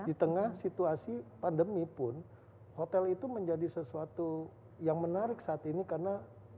di tengah situasi pandemi pun hotel itu menjadi sesuatu yang menarik saat ini karena